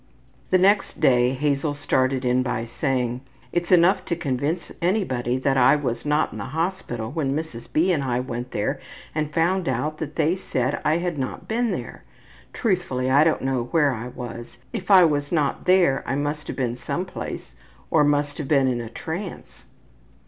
The next day Hazel started in by saying, ``It's enough to convince anybody that I was not in the hospital when Mrs. B. and I went there and found out that they said I had not been there. Truthfully I don't know where I was. If I was not there I must have been some place or I must have been in a trance.''